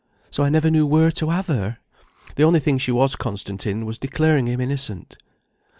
So I never knew where to have her. The only thing she was constant in, was declaring him innocent."